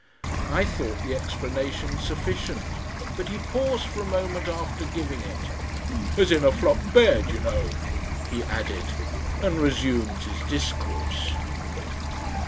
I thought the explanation sufficient, but he paused for a moment after giving it. "As in a flock bed, you know," he added and resumed his discourse.